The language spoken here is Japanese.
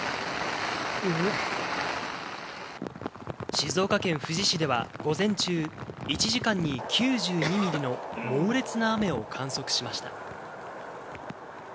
静岡県富士市では午前中、１時間に９２ミリの猛烈な雨を観測しました。